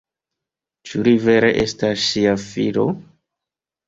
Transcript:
Ĉu li vere estas ŝia filo?